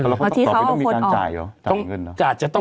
แล้วต่อไปต้องมีการจ่ายเหรอ